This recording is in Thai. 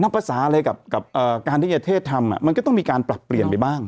ภาษาอะไรกับการที่จะเทศทำมันก็ต้องมีการปรับเปลี่ยนไปบ้าง